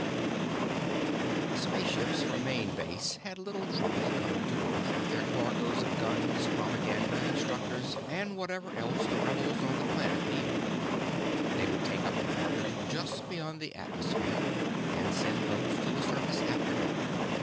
IV Spaceships from Main Base had little trouble coming to Earth with their cargoes of guns, propaganda, instructors, and whatever else the rebels on the planet needed. They would take up an orbit just beyond the atmosphere and send boats to the surface after dark.